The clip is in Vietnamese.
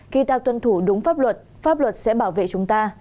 khi ta tuân thủ đúng pháp luật pháp luật sẽ bảo vệ chúng ta